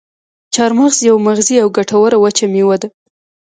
چارمغز یوه مغذي او ګټوره وچه میوه ده.